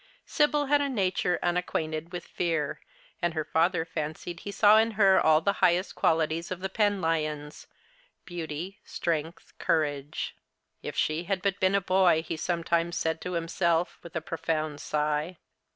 Sibyl had a nature unacquainted with fear ; and her father fancied he saw in her all the highest qualities of the Penlyons — beauty, strength, courage. '• If she had Init been a boy," he sometimes said to himself, with a profound sigh.